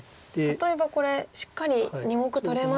例えばこれしっかり２目取れますね。